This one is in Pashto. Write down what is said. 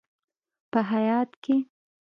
په هیات کې: